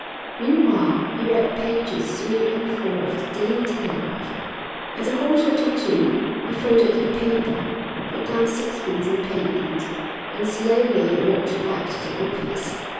Meanwhile he read pages three and four of the Daily Telegraph. At a quarter to two he folded the paper, put down sixpence in payment, and slowly walked back to the office.